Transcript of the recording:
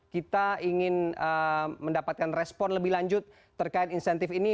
kita ingin mendapatkan respon lebih lanjut terkait insentif ini